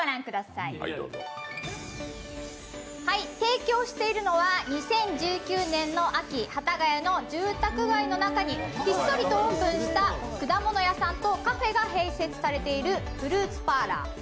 提供しているのは２０１９年の秋幡ヶ谷の住宅街にひっそりとオープンした果物屋さんとカフェが併設されているフルーツパーラー